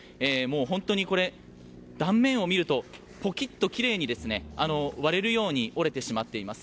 本当にこれ、断面を見るとポキッと、きれいに割れるように折れてしまっています。